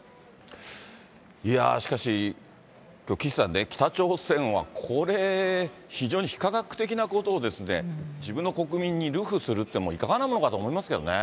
いやぁ、しかし、岸さんね、北朝鮮はこれ、非常に非科学的なことをですね、自分の国民に流布するっていうのも、いかがなものかと思いますけどね。